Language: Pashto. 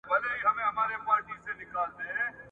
دا دي كور دى دا دي اور ..